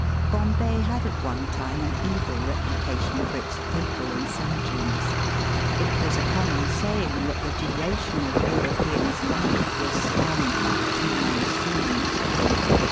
Bombay had at one time an evil reputation for its fatal insanitariness. It was a common saying that the duration of a European's life was spanned by two monsoons.